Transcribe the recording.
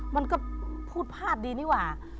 มันก็พูดพลาดดีหรืออ่ะ